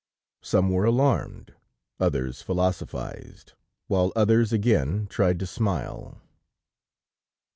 Some were alarmed, others philosophized, while others again, tried to smile.